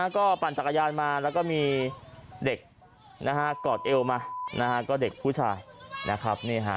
ก็ปั่นจักรยานมาแล้วก็มีเด็กกอดเอวมานะฮะก็เด็กผู้ชายนะครับ